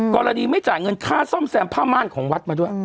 กรณีไม่จ่ายเงินค่าซ่อมแซมผ้าม่านของวัดมาด้วย